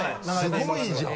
すごいじゃん！